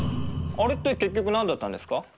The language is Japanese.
あれって結局何だったんですか？